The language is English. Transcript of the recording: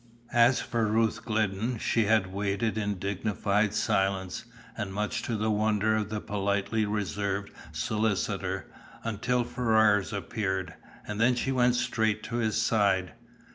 As for Ruth Glidden, she had waited in dignified silence, and much to the wonder of the politely reserved solicitor, until Ferrars appeared, and then she went straight to his side.